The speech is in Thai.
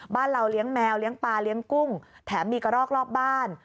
บ้านเราเลี้ยงแมวเลี้ยงปลาเลี้ยงกุ้งแถมมีกระรอกรอบบ้าน